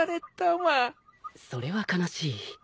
それは悲しい。